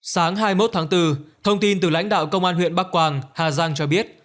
sáng hai mươi một tháng bốn thông tin từ lãnh đạo công an huyện bắc quang hà giang cho biết